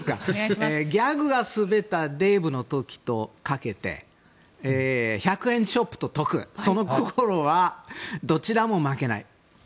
ギャグが滑ったデーブの時とかけて１００円ショップと説くその心はどちらも、まけない。